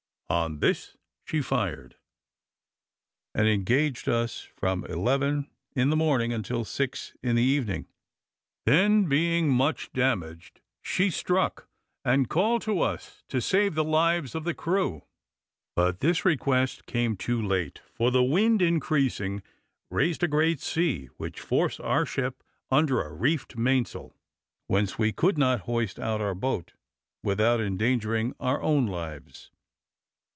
On this she fired, and engaged us from eleven in the morning until six in the evening; then, being much damaged, she struck, and called to us to save the lives of the crew. But this request came too late, for the wind increasing, raised a great sea, which forced our ship under a reefed main sail, whence we could not hoist out our boat, without endangering our own lives.